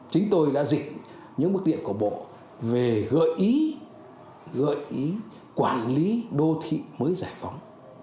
chính tôi đã dịch những bức điện của bộ về gợi ý quản lý đô thị mới giải phóng